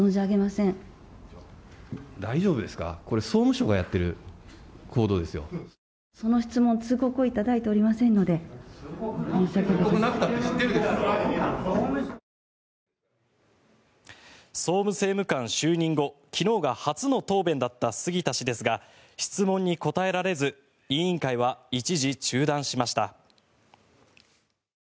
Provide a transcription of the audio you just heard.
総務政務官就任後、昨日が初の答弁だった杉田氏ですが質問に答えられず委員会は一時中断しました。